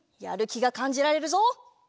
やるきがかんじられるぞ！